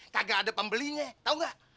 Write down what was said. kagak ada pembelinya tahu nggak